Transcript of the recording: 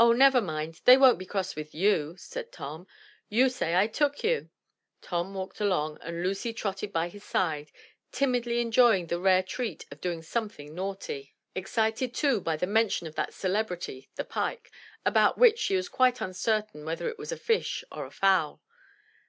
"Oh, never mind; they won't be cross with you,'' said Tom. "You say I took you." Tom walked along and Lucy trotted by his side, timidly en joying the rare treat of doing something naughty, — excited also 234 THE TREASURE CHEST by the mention of that celebrity the pike, about which she was quite uncertain whether it was a fish or a fowl.